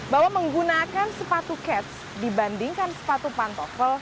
bahwa menggunakan sepatu kets dibandingkan sepatu pantofel